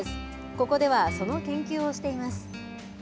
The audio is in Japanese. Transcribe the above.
ここではその研究をしています。